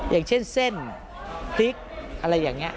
อย่างเช่นเส้นพริกอะไรอย่างนี้